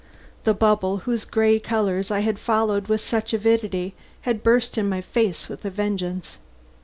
The bubble whose gay colors I had followed with such avidity had burst in my face with a vengeance.